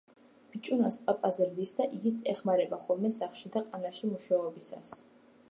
ბიჭუნას პაპა ზრდის და იგიც ეხმარება ხოლმე სახლში და ყანაში მუშაობისას.